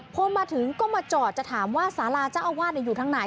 พอมาถึงก็มาจอดจะถามว่าสาราเจ้าอาวาสอยู่ทางไหน